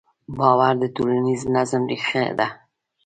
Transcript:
باور د ټولنیز نظم ریښه ده.